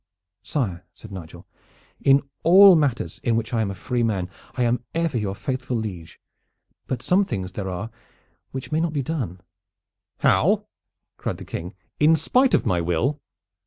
"Sire," said Nigel, "in all matters in which I am a free man I am ever your faithful liege, but some things there are which may not be done." "How?" cried the King. "In spite of my will?"